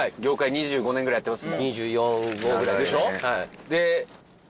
２５年ぐらいやってます？